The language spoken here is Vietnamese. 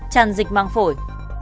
tràn dịch mang phổi